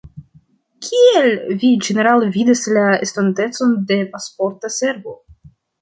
Kiel vi ĝenerale vidas la estontecon de Pasporta Servo?